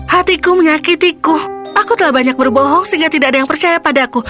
hatiku menyakitiku aku telah banyak berbohong sehingga tidak ada yang percaya padaku